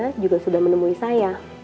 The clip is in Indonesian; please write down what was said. ibu rianti juga sudah menemui saya